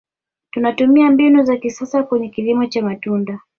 tunatumia mbinu za kisasa kwenye kilimo cha matunda